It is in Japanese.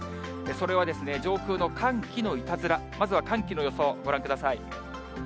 それは、上空の寒気のいたずら、まずは寒気の予想、ご覧ください。